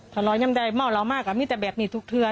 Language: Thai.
ถ้าเรายำใจเม่าเรามากก็มีแต่แบบนี้ทุกเทือ